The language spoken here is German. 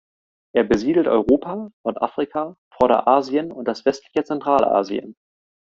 Er besiedelt Europa, Nordafrika, Vorderasien und das westliche Zentralasien.